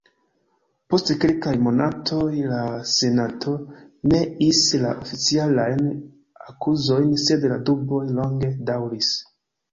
Post kelkaj monatoj, la Senato neis la oficialajn akuzojn sed la duboj longe daŭris.